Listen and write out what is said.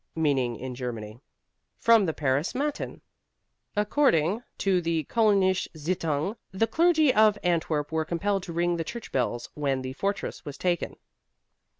(Meaning in Germany.) From the Paris Matin: "According to the Koelnische Zeitung, the clergy of Antwerp were compelled to ring the church bells when the fortress was taken."